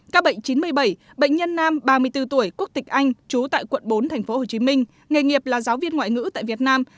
các bệnh chín mươi bảy bệnh nhân nam ba mươi bốn tuổi quốc tịch anh trú tại quận bốn tp hcm nghề nghiệp là giáo viên ngoại ngữ tại việt nam